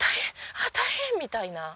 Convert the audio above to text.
大変！みたいな。